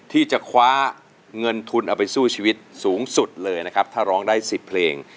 ที่จะคว้าเงินทุนเอาไปสู้ชีวิตสูงสุดเลยนะครับถ้าร้องได้๑๐เพลง